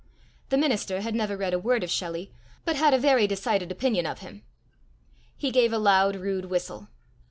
The minister had never read a word of Shelley, but had a very decided opinion of him. He gave a loud rude whistle.